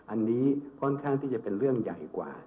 อันนี้ค่อนข้างที่จะเป็นเรื่องใหญ่กว่า